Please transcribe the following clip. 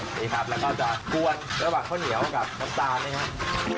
นี่ครับแล้วก็จะกวนระหว่างข้าวเหนียวกับน้ำตาลนะครับ